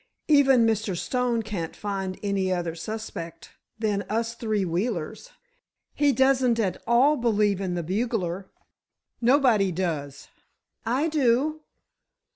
Even Mr. Stone can't find any other suspect than us three Wheelers. He doesn't at all believe in the 'bugler.' Nobody does." "I do."